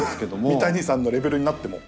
三谷さんのレベルになっても。